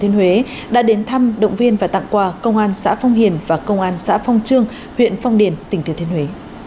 tỉnh thực thiên huế đã đến thăm động viên và tặng quà công an xã phong hiền và công an xã phong trương huyện phong điền tỉnh thực thiên huế